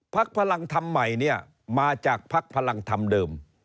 พลังธรรมใหม่เนี่ยมาจากภักดิ์พลังธรรมเดิม